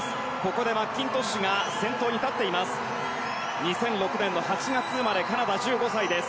ここでマッキントッシュが先頭に立っています。